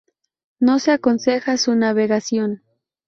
No se aconseja su navegación.